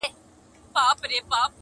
جهاني چي ما یې لار په سترګو فرش کړه؛